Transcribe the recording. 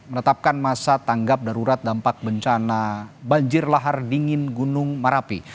menetapkan masa tanggap darurat dampak bencana banjir lahar dingin gunung merapi